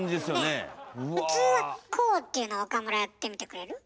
普通はこうっていうの岡村やってみてくれる？